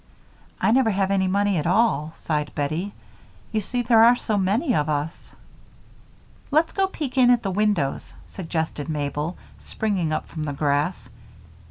"I never have any money at all," sighed Bettie. "You see there are so many of us." "Let's go peek in at the windows," suggested Mabel, springing up from the grass.